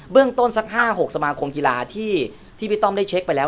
เรื่องต้นสัก๕๖สมาคมกีฬาที่พี่ต้อมได้เช็คไปแล้ว